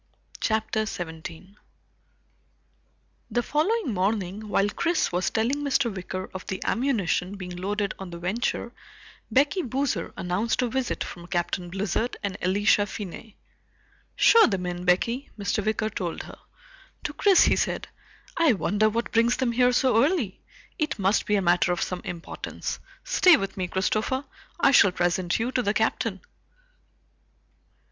CHAPTER 17 The following morning while Chris was telling Mr. Wicker of the ammunition being loaded on the Venture, Becky Boozer announced a visit from Captain Blizzard and Elisha Finney. "Show them in, Becky," Mr. Wicker told her. To Chris he said, "I wonder what brings them here so early? It must be a matter of some importance. Stay with me, Christopher. I shall present you to the Captain."